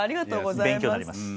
勉強になります。